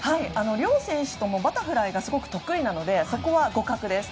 両選手ともバタフライがすごく得意なのでそこは互角です。